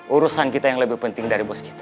urusan kita yang lebih penting dari bos kita